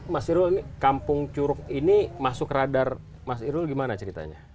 mas irul kampung curug ini masuk radar mas irul gimana ceritanya